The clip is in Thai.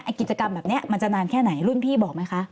กิจกรรมแบบนี้มันจะนานแค่ไหนรุ่นพี่บอกไหมคะ